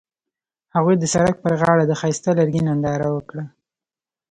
هغوی د سړک پر غاړه د ښایسته لرګی ننداره وکړه.